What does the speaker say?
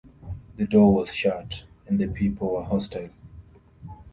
The door was shut, and the people were hostile.